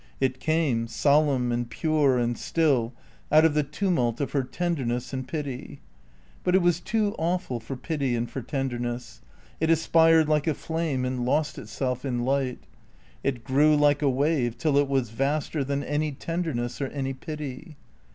It came, solemn and pure and still, out of the tumult of her tenderness and pity; but it was too awful for pity and for tenderness; it aspired like a flame and lost itself in light; it grew like a wave till it was vaster than any tenderness or any pity.